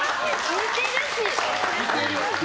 似てる！